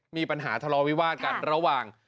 มีปัญหาทะเลาวิวาสกันระหว่าง